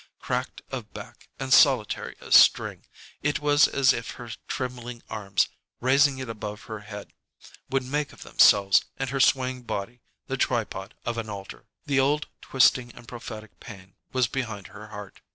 Cracked of back and solitary of string, it was as if her trembling arms, raising it above her head, would make of themselves and her swaying body the tripod of an altar. The old twisting and prophetic pain was behind her heart.